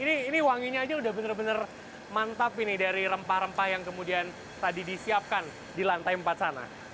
ini wanginya aja udah bener bener mantap ini dari rempah rempah yang kemudian tadi disiapkan di lantai empat sana